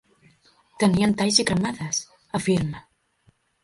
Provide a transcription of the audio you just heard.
Tenien talls i cremades, afirma.